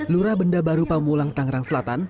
lurah benda baru pamulang tangerang selatan